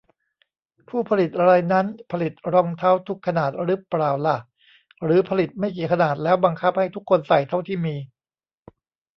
ผู้ผลิตรายนั้นผลิตรองเท้าทุกขนาดรึเปล่าล่ะ หรือผลิตไม่กี่ขนาด แล้วบังคับให้ทุกคนใส่เท่าที่มี